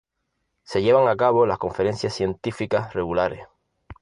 Se llevan a cabo las conferencias científicas regulares.